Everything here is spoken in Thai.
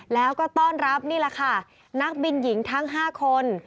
แล้วก็ต้อนรับนี่แหละค่ะนักบินหญิงทั้ง๕คน